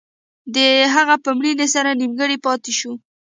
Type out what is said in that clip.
د هغه په مړینې سره نیمګړی پاتې شو.